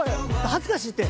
恥ずかしいって！